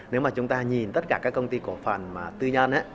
nếu mà chúng ta nhìn tất cả các công ty cổ phần tư nhân